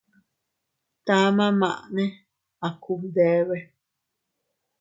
Tama maʼne a kubdebe.